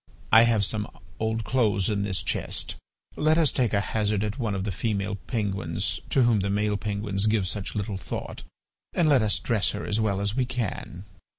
I have some old clothes in this chest. Let us take at hazard one of these female penguins to whom the male penguins give such little thought, and let us dress her as well as we can.